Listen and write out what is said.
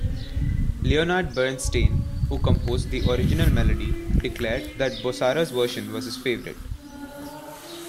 Leonard Bernstein, who composed the original melody, declared that Boccara's version was his favorite.